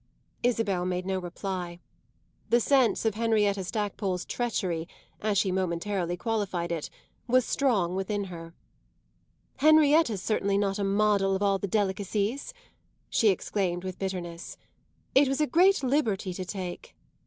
Isabel made no reply; the sense of Henrietta Stackpole's treachery, as she momentarily qualified it, was strong within her. "Henrietta's certainly not a model of all the delicacies!" she exclaimed with bitterness. "It was a great liberty to take."